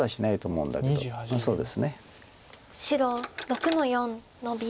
白６の四ノビ。